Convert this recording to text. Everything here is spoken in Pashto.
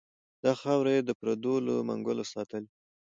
دا خاوره یې د پردو له منګلو ساتلې.